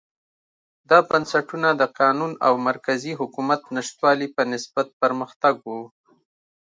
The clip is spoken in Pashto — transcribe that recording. دا بنسټونه د قانون او مرکزي حکومت نشتوالي په نسبت پرمختګ و.